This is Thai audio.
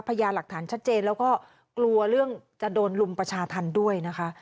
พยายามหลักฐานชัดเจนแล้วก็กลัวเรื่องจะโดนลุมประชาธรรมด้วยนะคะ